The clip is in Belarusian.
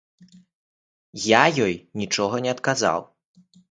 Я ёй нічога не адказаў.